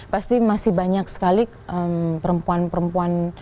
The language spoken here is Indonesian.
pasti masih banyak sekali perempuan perempuan